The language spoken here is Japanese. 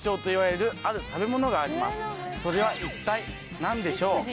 それは一体何でしょう？